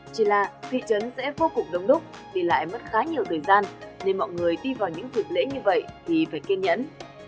chỉ là thị trấn sẽ vô cùng đông đúc đi lại mất khá nhiều thời gian nên mọi người đi vào những dịp lễ như vậy thì phải kiên nhẫn